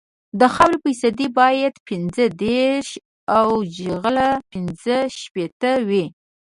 د خاورې فیصدي باید پنځه دېرش او جغل پینځه شپیته وي